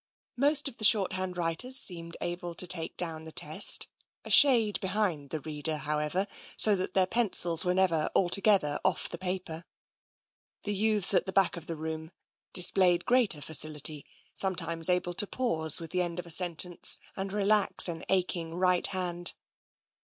Most of the shorthand writers seemed able to take down the test — a shade behind the reader, however, so that their pencils were never altogether off the paper. The youths in the back of the room displayed TENSION 129 greater facility, sometimes able to pause with the end of a sentence and relax an aching right hand.